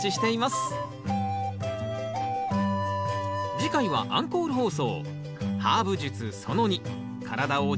次回はアンコール放送